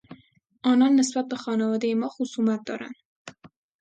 آنان نسبت به خانوادهی ما خصومت دارند.